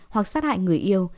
hoặc sát hại người yêu